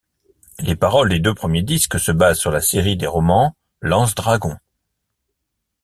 Les paroles des deux premiers disques se basent sur la série des romans Lancedragon.